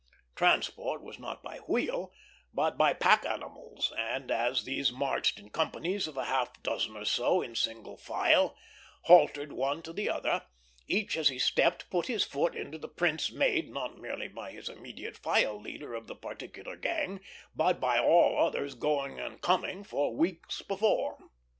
Transport was not by wheel, but by pack animals; and as these marched in companies of a half dozen or so, in single file, haltered one to the other, each as he stepped put his foot into the prints made, not merely by his immediate file leader of the particular gang, but by all others going and coming for weeks before.